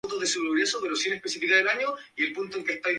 Él es el mánager de esta discografía de música de metal.